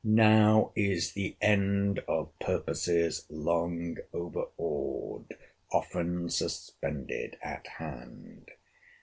Now is the end of purposes long over awed, often suspended, at hand.